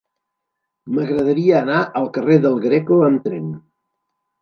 M'agradaria anar al carrer del Greco amb tren.